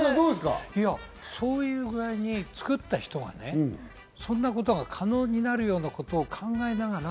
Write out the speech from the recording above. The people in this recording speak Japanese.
そういう具合に作った人がね、そんなことが可能になるようなことを考えながら。